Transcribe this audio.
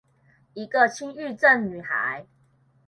一位輕鬱症女孩